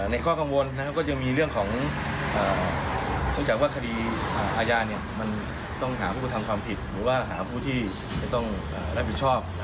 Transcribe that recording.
ข้อกังวลก็จะมีเรื่องของเนื่องจากว่าคดีอาญามันต้องหาผู้กระทำความผิดหรือว่าหาผู้ที่จะต้องรับผิดชอบ